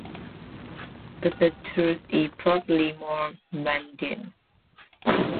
But the truth is probably more mundane.